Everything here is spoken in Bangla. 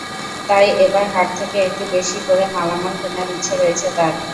তাই এবার হাট থেকে একটু বেশি করে মালামাল কেনার ইচ্ছা রয়েছে তাঁর।